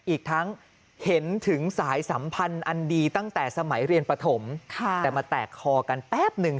อีกทั้งเห็นถึงสายสัมพันธ์อันดีตั้งแต่สมัยเรียนปฐมแต่มาแตกคอกันแป๊บหนึ่ง